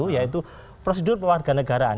yaitu prosedur warga negaraan